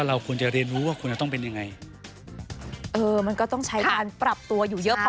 เพราะว่ามีสมาชิกคนใหม่เข้ามาในครอบครัว